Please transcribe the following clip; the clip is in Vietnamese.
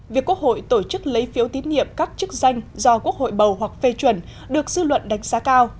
việc quốc hội tổ chức lấy phiếu tín nhiệm các chức danh do quốc hội bầu hoặc phê chuẩn được dư luận đánh giá cao